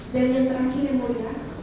dan yang terakhir yang mulia